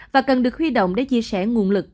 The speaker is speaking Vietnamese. và cần được huy động để chia sẻ nguồn lực